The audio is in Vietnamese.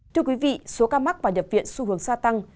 thưa quý vị số ca mắc và nhập viện xu hướng gia tăng